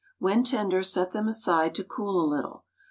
When tender set them aside to cool a little.